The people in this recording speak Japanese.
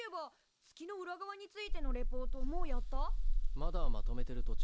まだまとめてる途中。